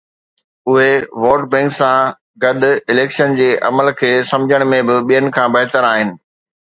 اهي vote bank سان گڏ اليڪشن جي عمل کي سمجهڻ ۾ به ٻين کان بهتر آهن.